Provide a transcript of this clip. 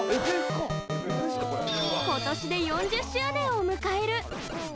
今年で４０周年を迎える。